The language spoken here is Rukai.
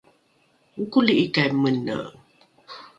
okoli’ikai mene?